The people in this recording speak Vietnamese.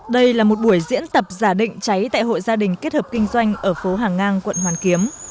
đây là một buổi diễn tập giả định cháy tại hội gia đình kết hợp kinh doanh ở phố hàng ngang quận hoàn kiếm